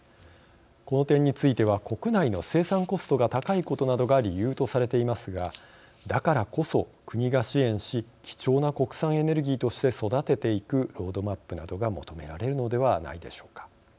この点については国内の生産コストが高いことなどが理由とされていますがだからこそ国が支援し貴重な国産エネルギーとして育てていくロードマップなどが求められるのではないでしょうか。